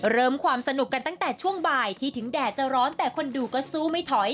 เริ่มความสนุกกันตั้งแต่ช่วงบ่ายที่ถึงแดดจะร้อนแต่คนดูก็สู้ไม่ถอย